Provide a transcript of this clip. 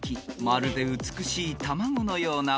［まるで美しい卵のような］